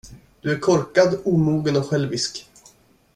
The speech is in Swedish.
Du är korkad, omogen och självisk.